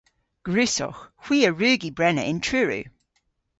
Gwrussowgh. Hwi a wrug y brena yn Truru.